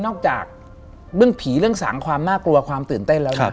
เรื่องนี้นอกจากเรื่องผีเรื่องสังความน่ากลัวความตื่นเต้นแล้วนะ